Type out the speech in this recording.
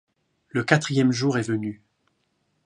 Le quatrième jour est venu.